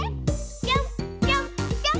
ぴょんぴょんぴょん！